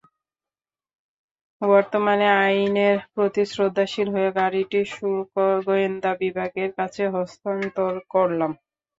বর্তমানে আইনের প্রতি শ্রদ্ধাশীল হয়ে গাড়িটি শুল্ক গোয়েন্দা বিভাগের কাছে হস্তান্তর করলাম।